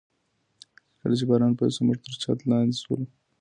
کله چي باران پیل سو، موږ تر چت لاندي سولو.